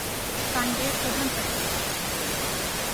কাণ্ডের প্রধান চারটি কাজ।